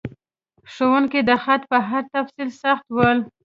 ښوونکي د خط په هر تفصیل سخت ول.